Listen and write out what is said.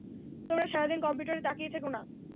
তোমরা সারাদিন কম্পিউটারে তাকিয়ে থেকো না।